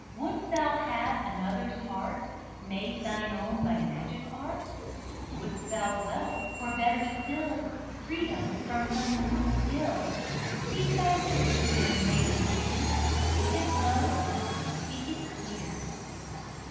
Would'st thou have another's heart Made thine own by magic art? Would'st thou wealth or, better still, Freedom from some mortal ill? Speak thy wish, then, maiden dear: Speak it low and speak it clear."